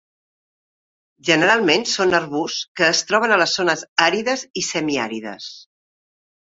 Generalment són arbusts que es troben a les zones àrides i semiàrides.